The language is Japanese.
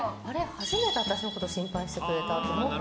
初めて私のこと心配してくれたって